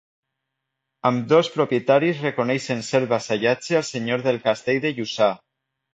Ambdós propietaris reconeixien cert vassallatge al senyor del castell de Lluçà.